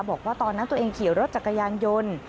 บอกว่าตอนนั้นตัวเองขี่รถจักรยานยนต์